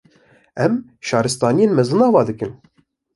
Em Şaristaniyên mezin ava dikin